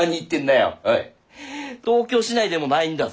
東京市内でもないんだぞ。